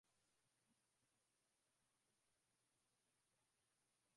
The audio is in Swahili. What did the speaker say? baada ya kuchukua Tanganyika kutoka kwa Wajerumani